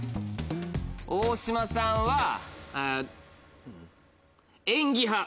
大島さんは演技派。